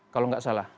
kalau gak salah